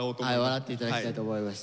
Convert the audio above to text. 笑っていただきたいと思います。